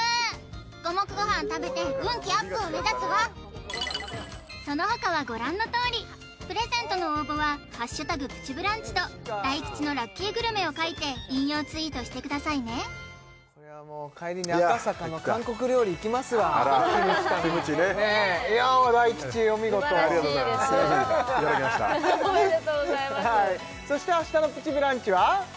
五目ごはん食べて運気アップを目指すわそのほかはご覧のとおりプレゼントの応募は「＃プチブランチ」と大吉のラッキーグルメを書いて引用ツイートしてくださいねこれはもう帰りに赤坂の韓国料理行きますわキムチ食べにいやあ大吉お見事ありがとうございますすいませんいただきましたおめでとうございますそして明日の「プチブランチ」は？